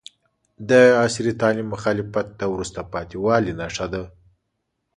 د عصري تعلیم مخالفت د وروسته پاتې والي نښه ده.